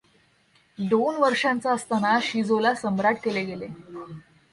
दोन वर्षांचा असताना शिजोला सम्राट केले गेले.